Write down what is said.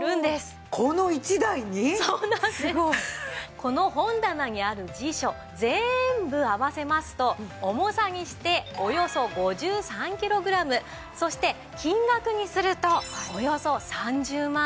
この本棚にある辞書全部合わせますと重さにしておよそ５３キログラムそして金額にするとおよそ３０万円になります。